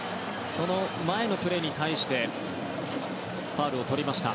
前のプレーに対してファウルをとりました。